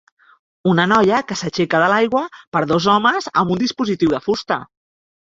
Una noia que s'aixeca de l'aigua per dos homes amb un dispositiu de fusta